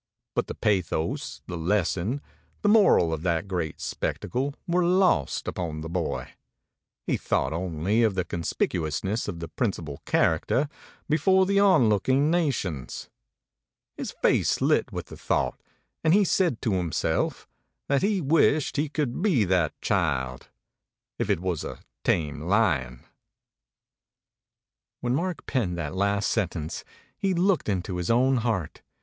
But the . the lesson, the moral of the great spectacle were lost upon the boy; he thought only of the con Spicuousncss of the principal rha: re the on MEMORIES OF MARK TWAIN looking nations; his face lit with the thought, and he said to himself that he wished he could be that child, if it was a tame lion. When Mark penned that last sentence he had looked into his own heart.